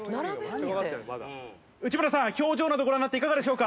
内村さん、表情などご覧になって、いかがでしょうか。